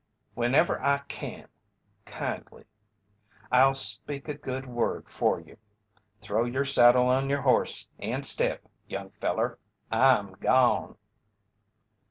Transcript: Whenever I kin," kindly, "I'll speak a good word for you. Throw your saddle on your horse and step, young feller. I'm gone!"